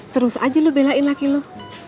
terus aja lu belain laki lu